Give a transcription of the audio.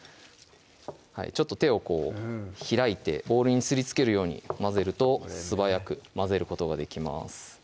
ちょっと手をこう開いてボウルにすりつけるように混ぜると素早く混ぜることができます